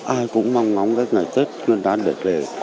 ai cũng mong mong đến ngày tết ngân đán đẹp đề